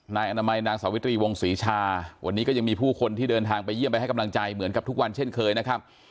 นายอนามัยนางสาวิตรีวงศรีชาวันนี้ก็ยังมีผู้คนที่เดินทางไปเยี่ยมไปให้กำลังใจเหมือนกับทุกวันเช่นเคยนะครับ